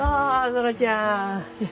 園ちゃん。